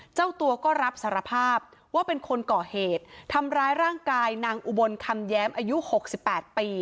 เจ้าตัวก็รับสารภาพว่าเป็นคนก่อเหตุทำร้ายร่างกายนางอุบลคำแย้มอายุ๖๘ปี